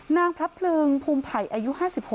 นางพระเพลิงภูมิไผ่อายุ๕๖